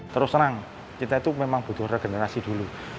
terus senang kita itu memang butuh regenerasi dulu